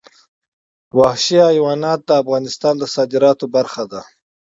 وحشي حیوانات د افغانستان د صادراتو برخه ده.